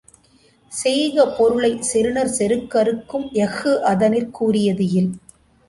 செய்க பொருளைச் செறுநர் செருக்கறுக்கும் எஃகு அதனிற் கூரியது இல்.